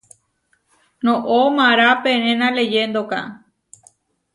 Noʼó mará penéna leyéndoka.